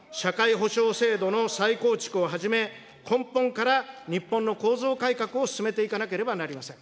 社会保障制度の再構築をはじめ、根本から日本の構造改革を進めていかなければなりません。